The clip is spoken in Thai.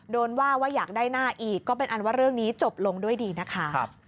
โดนว่าว่าอยากได้หน้าอีกก็เป็นอันว่าเรื่องนี้จบลงด้วยดีนะคะ